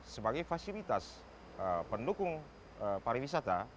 sebagai fasilitas pendukung pariwisata